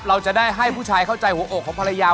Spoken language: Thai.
เราจะได้ให้ผู้ชายเข้าใจหัวอกของภรรยา